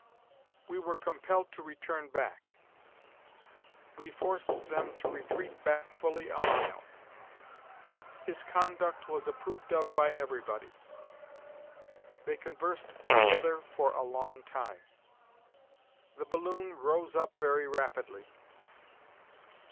"We were compelled to return back." "We forced them to retreat back fully a mile." "His conduct was approved of by everybody." "They conversed together for a long time." "The balloon rose up very rapidly."